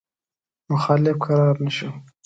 مخالفت کرار نه شو.